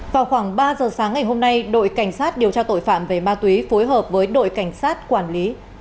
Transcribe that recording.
vào khoảng ba giờ sáng ngày hôm nay đội cảnh sát điều tra tội phạm về ma túy phối hợp với đội cảnh sát quản lý